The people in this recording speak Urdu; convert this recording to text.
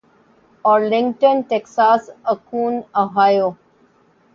Arlington Texas Akron Ohio